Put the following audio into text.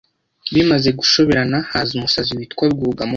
Bimaze gushoberana haza umusazi witwa Rwugamo,